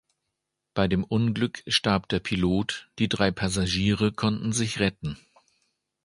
Bei dem Unglück starb der Pilot, die drei Passagiere konnten sich retten.